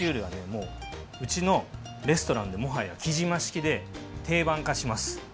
もううちのレストランでもはやきじま式で定番化します。